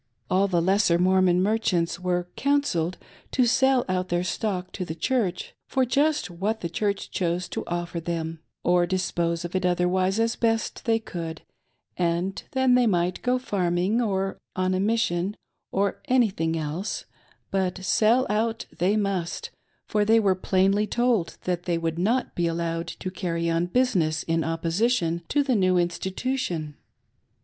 All the lesser Mormon Merchants were " counselled " to sell out their stock to the Church, for just what the Church chose to offer them, or dispose of it otherwise as best they could, and then they might go farming, or on mission, or anything else — but sell out they must, for they were plainly told that they would not be allowed to carry on business in opposition to the new Institution. ,6CJ4 SEEKiNG AFTER A' SIGN